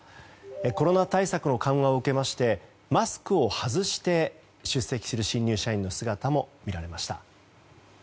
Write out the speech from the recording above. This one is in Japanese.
コロナ対策の緩和を受けましてマスクを外して出席する新入社員の姿も見られました。